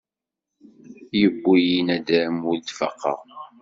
Yewwi-yi nadam ur d-faqeɣ.